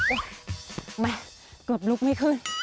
โอ๊ยแม่เกือบลุกไม่คืน